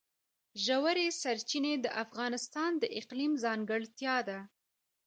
ژورې سرچینې د افغانستان د اقلیم ځانګړتیا ده.